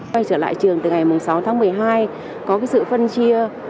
quay trở lại trường từ ngày sáu tháng một mươi hai có sự phân chia